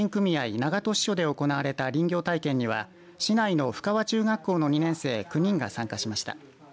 長門支所で行われた林業体験には市内の深川中学校の２年生９人が参加しました。